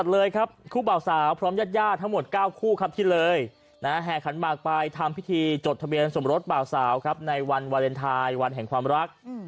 และปิดท้ายที่จังหวัดเลยครับ